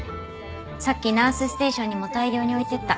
さっきナースステーションにも大量に置いていった。